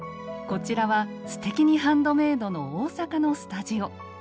こちらは「すてきにハンドメイド」の大阪のスタジオ。